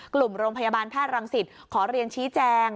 กลุ่มโรงพยาบาลแพทย์รังสิตขอเรียนชี้แจง